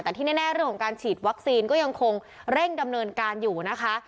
แต่ที่แน่เรื่องของการฉีดวัคซีนก็ยังคงเร่งดำเนินการอยู่นะคะ